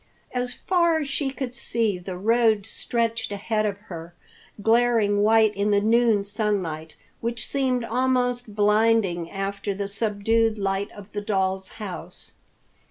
As far as she could see, the road stretched ahead of her, glaring white in the noon sunlight, which seemed almost blinding after the subdued light of the doll's house.